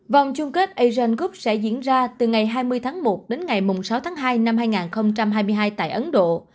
vòng chung kết asian gub sẽ diễn ra từ ngày hai mươi tháng một đến ngày sáu tháng hai năm hai nghìn hai mươi hai tại ấn độ